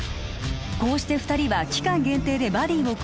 こうして二人は期間限定でバディを組み